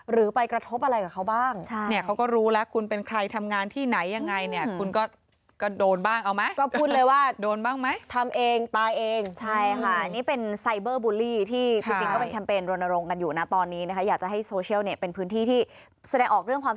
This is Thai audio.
หรือไปกระทบอะไรกับเขาบ้างใช่ครับ